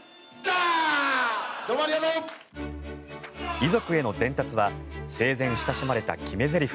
遺族への伝達は生前、親しまれた決めゼリフ